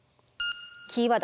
キーワード